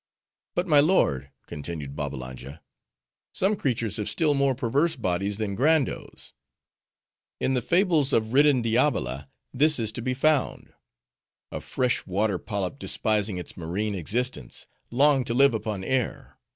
"But, my lord," continued Babbalanja, "some creatures have still more perverse bodies than Grando's. In the fables of Ridendiabola, this is to be found. 'A fresh water Polyp, despising its marine existence; longed to live upon air.